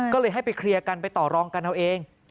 ก็เลยให้ไปเคลียร์กันไปต่อรองกันเอาเอง